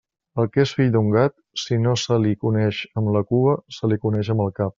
El que és fill d'un gat, si no se li coneix amb la cua, se li coneix amb el cap.